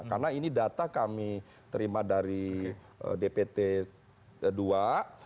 karena ini data kami terima dari dpt ii